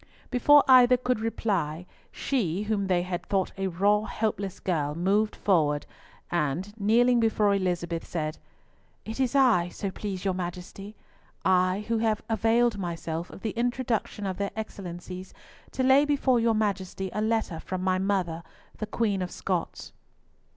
Before either could reply, she, whom they had thought a raw, helpless girl, moved forward, and kneeling before Elizabeth said, "It is I, so please your Majesty, I, who have availed myself of the introduction of their Excellencies to lay before your Majesty a letter from my mother, the Queen of Scots."